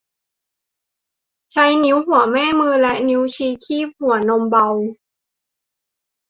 ใช้นิ้วหัวแม่มือและนิ้วชี้คีบบีบหัวนมเบา